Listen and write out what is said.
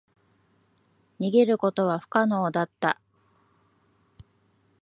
逃げることは不可能だった。